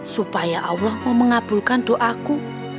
supaya allah mau mengabulkan doaku